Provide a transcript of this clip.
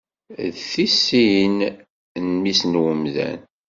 D tisin n Mmi-s n umdan.